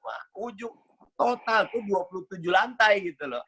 wah ujung total tuh dua puluh tujuh lantai gitu loh